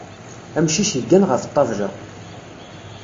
Amcic yeggan ɣef ṭṭabla.